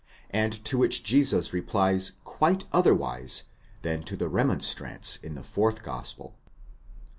and to which Jesus replies quite otherwise than to the remonstrance in the fourth gospel.